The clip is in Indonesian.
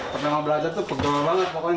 pertama belajar tuh pegal banget pokoknya